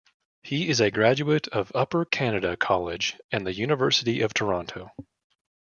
He is a graduate of Upper Canada College and the University of Toronto.